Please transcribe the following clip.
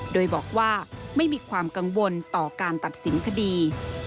โดยบอกว่าไม่มีความกังวลต่อการตัดสินคดี